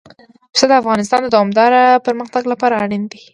پسه د افغانستان د دوامداره پرمختګ لپاره اړین دي.